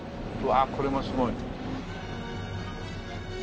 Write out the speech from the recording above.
わあこれもすごい。